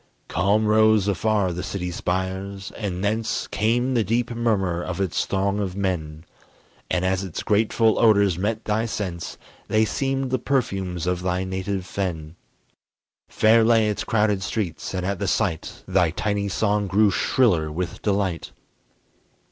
Calm rose afar the city spires, and thence Came the deep murmur of its throng of men, And as its grateful odors met thy sense, They seemed the perfumes of thy native fen. Fair lay its crowded streets, and at the sight Thy tiny song grew shriller with delight.